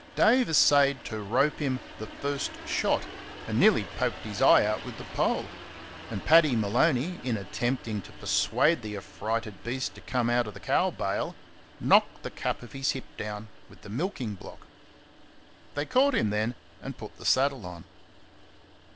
Dave essayed to rope him "the first shot," and nearly poked his eye out with the pole; and Paddy Maloney, in attempting to persuade the affrighted beast to come out of the cow bail, knocked the cap of its hip down with the milking block. They caught him then and put the saddle on.